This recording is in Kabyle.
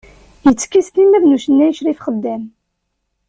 Yettiki s timmad n ucennay Crif Xeddam.